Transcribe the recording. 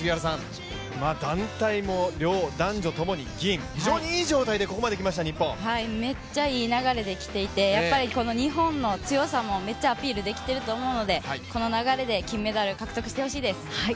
団体も男女ともに銀非常にいい状態でめっちゃいい流れできていてやっぱり日本の強さもめっちゃアピールできていると思うのでこの流れで金メダル獲得してほしいです。